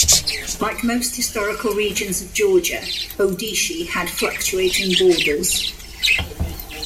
Like most historical regions of Georgia, Odishi had fluctuating borders.